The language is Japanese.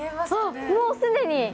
もうすでに。